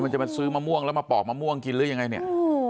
จะมาซื้อมะม่วงแล้วมาปอกมะม่วงกินหรือยังไงเนี่ย